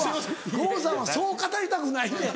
郷さんはそう語りたくないねん。